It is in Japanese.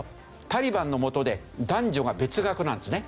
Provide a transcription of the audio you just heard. タリバンのもとで男女が別学なんですね。